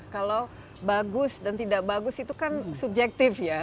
kalau bagus dan tidak bagus itu kan subjektif ya